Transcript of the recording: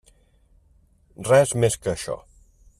Res més que això.